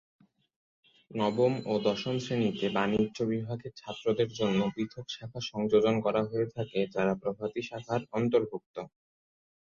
নবম ও দশম শ্রেনীতে বাণিজ্য বিভাগের ছাত্রদের জন্য পৃথক শাখা সংযোজন করা হয়ে থাকে যারা প্রভাতী শাখার অন্তর্ভুক্ত।